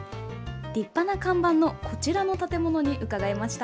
立派な看板のこちらの建物に伺いました。